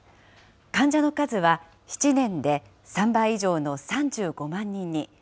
患者の数は７年で３倍以上の３５万人に。